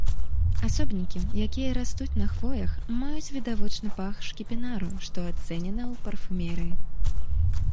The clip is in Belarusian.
Асобнікі, якія растуць на хвоях, маюць відавочны пах шкіпінару, што ацэнена ў парфумерыі.